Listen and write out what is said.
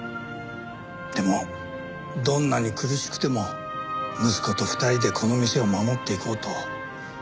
でもどんなに苦しくても息子と２人でこの店を守っていこうと。